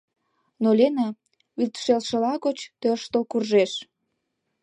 Но Лена вӱд шелшыла гоч тӧрштыл куржеш.